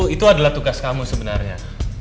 itu adalah tugas kamu sebenarnya